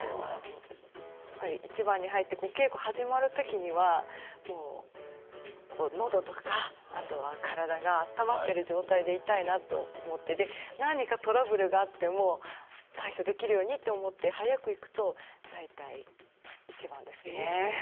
やっぱりいちばんに入って稽古が始まる時にはのどとか、あとは体が温まっている状態でいたいなと思って何かトラブルがあっても対処できるようにと思って早く行くと大体、いちばんですね。